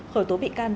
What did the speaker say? khởi tố bị can